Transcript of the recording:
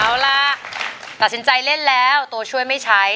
เอาล่ะตัดสินใจเล่นแล้วตัวช่วยไม่ใช้